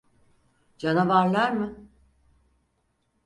Canavarlar mı?